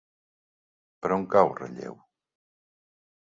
Per on cau Relleu?